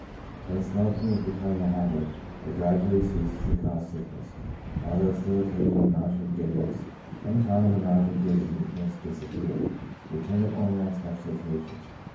When smok ing is becoming a habit, it gradually ceases to cause sick ness, although still occasioning nausea and giddiness, and finally the nausea and giddiness disappear, returning only on special occasions.